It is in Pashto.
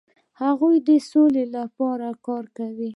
هغوی د سولې لپاره کار کاوه.